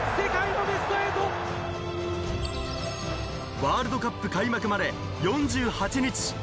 ワールドカップ開幕まで４８日。